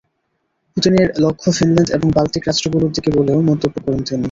পুতিনের লক্ষ্য ফিনল্যান্ড এবং বাল্টিক রাষ্ট্রগুলোর দিকে বলেও মন্তব্য করেন তিনি।